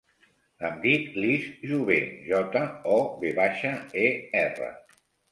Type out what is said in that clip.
Em dic Lis Jover: jota, o, ve baixa, e, erra.